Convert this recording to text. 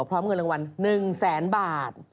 พร้อมเงินรางวัล๑แสนบาท